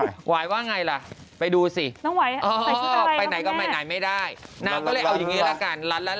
หวายว่าไงล่ะไปดูสิไปไหนก็ไปไหนไม่ได้นางก็เลยเอาอย่างนี้ละกัน